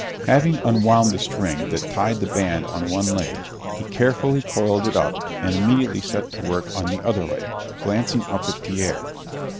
Having unwound the string that tied the band on one leg, he carefully coiled it up and immediately set to work on the other leg, glancing up at Pierre.